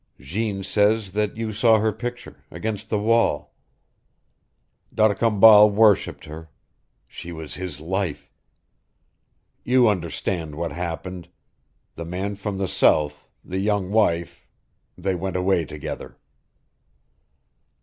Jeanne says that you saw her picture against the wall. D'Arcambal worshiped her. She was his life. You understand what happened. The man from the south the young wife they went away together."